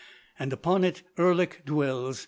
And upon it Erlik dwells....